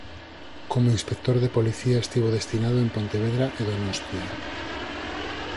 Como inspector de policía estivo destinado en Pontevedra e Donostia.